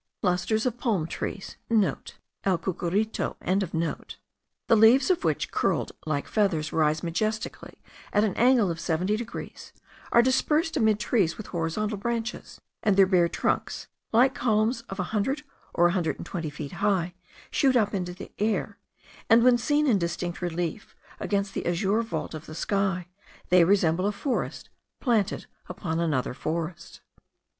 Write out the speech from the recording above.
Clusters of palm trees,* (* El cucurito.) the leaves of which, curled like feathers, rise majestically at an angle of seventy degrees, are dispersed amid trees with horizontal branches; and their bare trunks, like columns of a hundred or a hundred and twenty feet high, shoot up into the air, and when seen in distinct relief against the azure vault of the sky, they resemble a forest planted upon another forest.